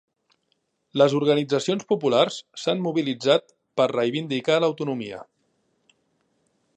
Les organitzacions populars s'han mobilitzat per reivindicar l'autonomia.